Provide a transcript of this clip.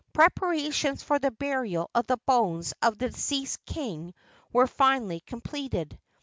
Preparations for the burial of the bones of the deceased king were finally completed.